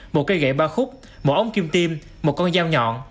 một cây gậy ba khúc một ống kim tim một con dao nhọn